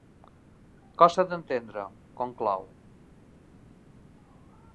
Costa d'entendre —conclou.